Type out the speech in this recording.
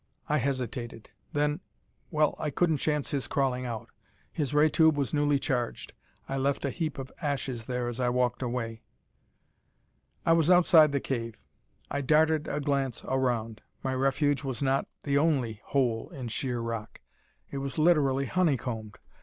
I hesitated. Then well, I couldn't chance his crawling out. His ray tube was newly charged. I left a heap of ashes there as I walked away.... I was outside the cave. I darted a glance around. My refuge was not the only hole in sheer rock; it was literally honeycombed.